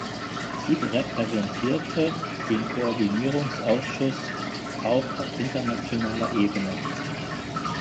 Sie repräsentierte den Koordinierungsausschuss auch auf internationaler Ebene.